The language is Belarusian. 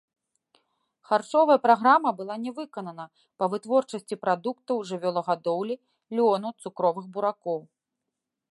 Харчовая праграма была не выканана па вытворчасці прадуктаў жывёлагадоўлі, лёну, цукровых буракоў.